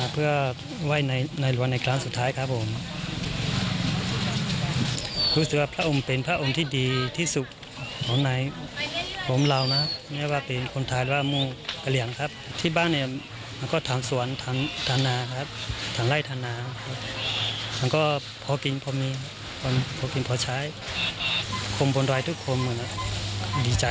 เพราะเราทุกคนว่าทุกคนเป็นพระองค์ที่ดีที่สุดของในของเรานะฮะ